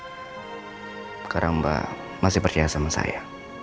sekarang mbak masih percaya sama saya